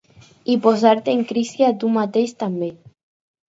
I posar-te en crisi a tu mateix, també.